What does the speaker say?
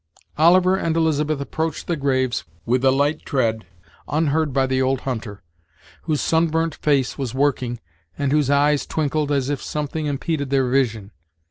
Oliver and Elizabeth approached the graves with a light tread, unheard by the old hunter, whose sunburnt face was working, and whose eyes twinkled as if something impeded their vision.